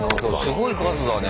すごい数だね。